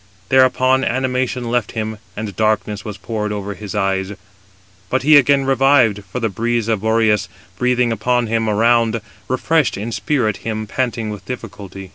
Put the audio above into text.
Thereupon animation left him, and darkness was poured over his eyes; but he again revived, for the breeze of Boreas, breathing upon him around, refreshed in spirit him panting with difficulty.